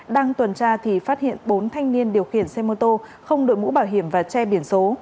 đang tuần tra thì phát hiện bốn thanh niên điều khiển xe mô tô không đội mũ bảo hiểm và che biển số